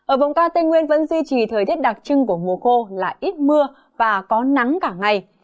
ở vùng cao tây nguyên vẫn duy trì thời tiết đặc trưng của mùa khô là ít mưa và có nắng cả ngày